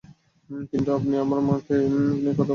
কিন্তু আপনি আমার মাকে নিয়ে কথা বলছিলেন।